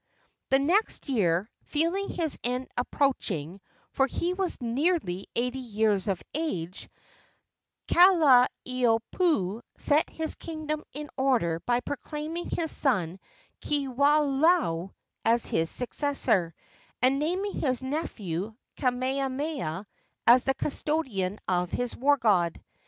The next year, feeling his end approaching for he was nearly eighty years of age Kalaniopuu set his kingdom in order by proclaiming his son Kiwalao as his successor, and naming his nephew, Kamehameha, as the custodian of his war god.